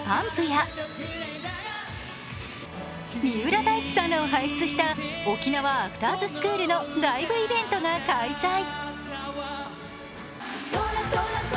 ＤＡＰＵＭＰや三浦大知さんらを輩出した沖縄アクターズスクールのライブイベントが開催。